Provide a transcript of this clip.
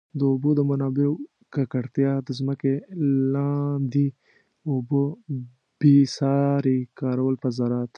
د اوبو د منابعو ککړتیا، د ځمکي لاندي اوبو بي ساري کارول په زراعت.